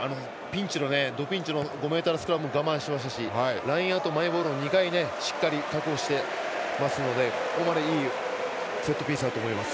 どピンチの５ｍスクラムを我慢しましたしラインアウトマイボールも２回しっかり確保しているのでここまでいいセットピースだと思います。